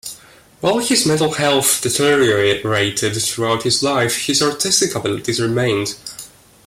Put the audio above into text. While his mental health deteriorated throughout his life, his artistic abilities remained.